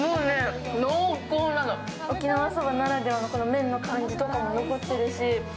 沖縄そばならではの麺の感じとかも残ってるし。